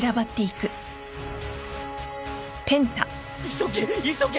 急げ急げ！